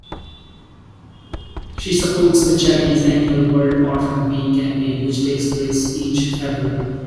She supports the charity's annual World Orphan Week campaign, which takes place each February.